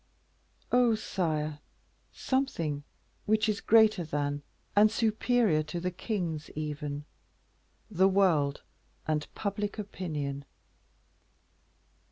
"Oh! sire, something which is greater than and superior to the kings even the world and public opinion.